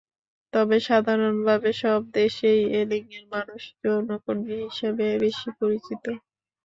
তবে সাধারণভাবে সব দেশেই এ লিঙ্গের মানুষ যৌনকর্মী হিসেবে বেশি পরিচিত।